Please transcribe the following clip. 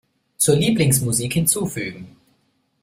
Zur Lieblingsmusik hinzufügen.